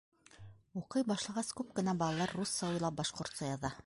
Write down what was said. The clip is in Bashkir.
Уҡый башлағас, күп кенә балалар русса уйлап, башҡортса яҙа.